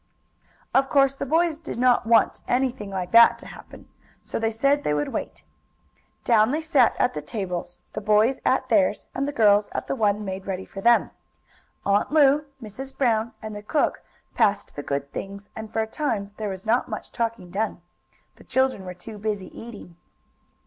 Of course the boys did not want anything like that to happen, so they said they would wait. Down they sat at the tables, the boys at theirs and the girls at the one made ready for them. Aunt Lu, Mrs. Brown and the cook passed the good things, and, for a time, there was not much talking done. The children were too busy eating.